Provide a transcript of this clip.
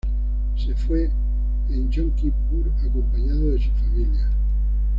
Se fue en Yom Kippur, acompañado de su familia.